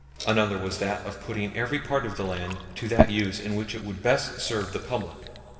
Another was that of putting every part of the land to that use in which it would best serve the public.